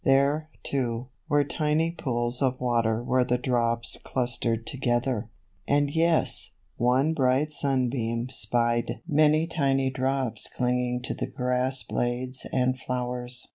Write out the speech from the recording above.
There, too, were tiny pools of water where the drops clustered to THE WATER DROPS. 133 gether, and yes! one bright sunbeam spied many tiny drops clinging to the grass blades and flowers.